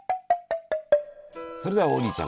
それでは王林ちゃん